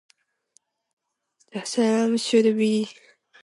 The serum should be regularly mixed during this process.